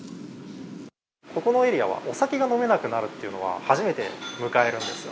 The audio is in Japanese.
ここのエリアはお酒が飲めなくなるというのは、初めて迎えるんですよ。